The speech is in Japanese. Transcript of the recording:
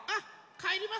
かえります。